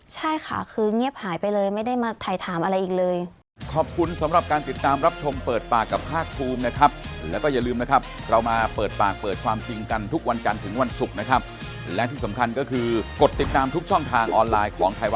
ใช่ค่ะคือเงียบหายไปเลยไม่ได้มาถ่ายถามอะไรอีกเลย